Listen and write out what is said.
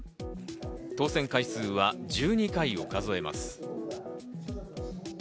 当選回数は１２回を数えます。